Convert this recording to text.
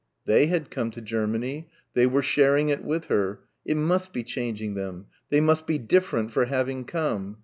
They had come to Germany. They were sharing it with her. It must be changing them. They must be different for having come.